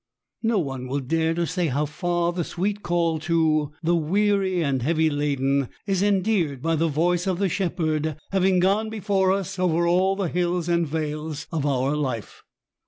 No one will dare to say how far the sweet call to " the weary and heavy laden " is endeared by the voice of the Shepherd having gone before us over all the hills and vales of our Ufe.